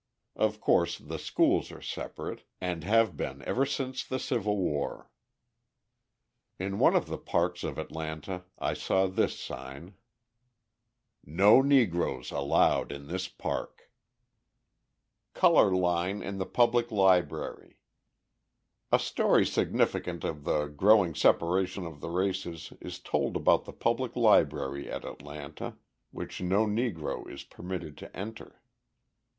Of course, the schools are separate, and have been ever since the Civil War. In one of the parks of Atlanta I saw this sign: NO NEGROES ALLOWED IN THIS PARK Colour Line in the Public Library A story significant of the growing separation of the races is told about the public library at Atlanta, which no Negro is permitted to enter.